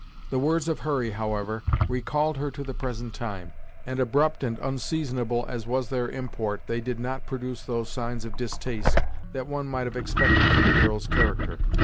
The words of Hurry, however, recalled her to the present time, and abrupt and unseasonable as was their import, they did not produce those signs of distaste that one might have expected from the girl's character.